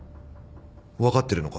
分かってるのか？